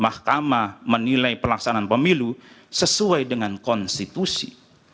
mahkamah menilai pelaksanaan pemilu sesuai dengan konstitusi